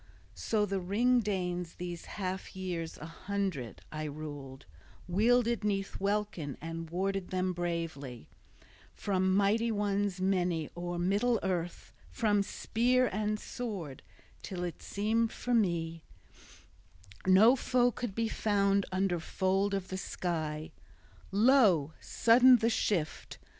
So the Ring Danes these half years a hundred I ruled, wielded 'neath welkin, and warded them bravely from mighty ones many o'er middle earth, from spear and sword, till it seemed for me no foe could be found under fold of the sky. Lo, sudden the shift!